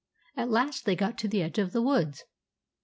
At last they got to the edge of the woods.